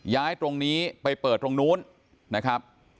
ย้ายตรงนี้ไปเปิดตรงนู้นนะครับ